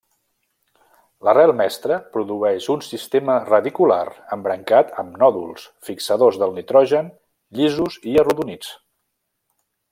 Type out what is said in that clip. L'arrel mestra produeix un sistema radicular embrancat amb nòduls, fixadors del nitrogen, llisos i arrodonits.